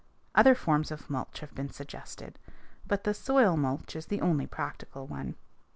Other forms of mulch have been suggested, but the soil mulch is the only practical one.